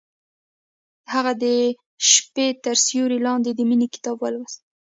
هغې د شپه تر سیوري لاندې د مینې کتاب ولوست.